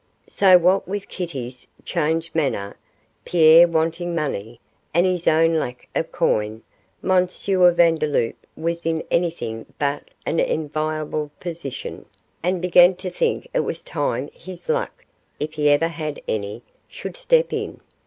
So what with Kitty's changed manner, Pierre wanting money, and his own lack of coin, M. Vandeloup was in anything but an enviable position, and began to think it was time his luck if he ever had any should step in.